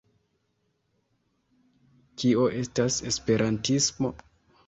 Kio estas esperantismo?